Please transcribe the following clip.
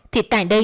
thì tại đây